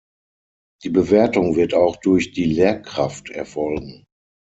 Die Bewertung wird auch durch die Lehrkraft erfolgen.